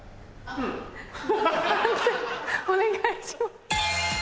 判定お願いします。